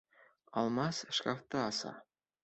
Алмас шкафты аса.